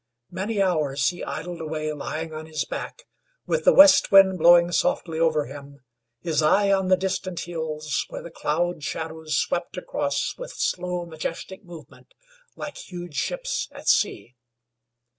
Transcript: Many hours he idled away lying on his back, with the west wind blowing softly over him, his eye on the distant hills, where the cloud shadows swept across with slow, majestic movement, like huge ships at sea.